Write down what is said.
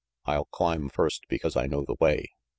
I'll climb first because I know the way.